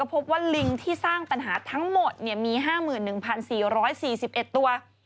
พบว่าลิงที่สร้างปัญหาทั้งหมดมี๕๑๔๔๑ตัว